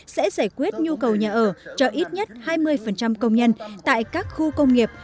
sẽ giải quyết nhu cầu nhà ở cho ít nhất hai mươi công nhân tại các khu công nghiệp